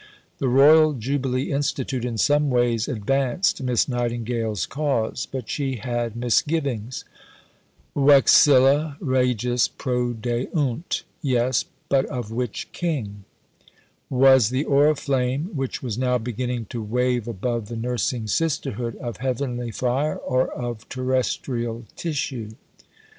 The Royal Jubilee Institute in some ways advanced Miss Nightingale's cause, but she had misgivings. "Vexilla regis prodeunt; yes, but of which King?" Was the oriflamme, which was now beginning to wave above the nursing sisterhood, "of heavenly fire, or of terrestrial tissue?"